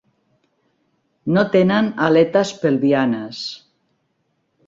No tenen aletes pelvianes.